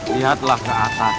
lihatlah ke atas